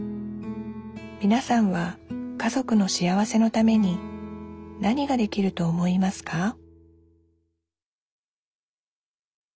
みなさんは家族の幸せのために何ができると思いますか？